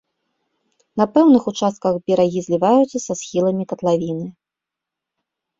На пэўных участках берагі зліваюцца са схіламі катлавіны.